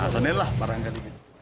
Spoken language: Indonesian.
senin lah barangkali